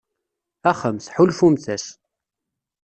Axemt, ḥulfumt-as.